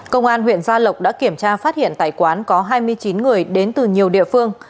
công an huyện gia lộc đã kiểm tra phát hiện tại quán có hai mươi chín người đến từ nhiều địa phương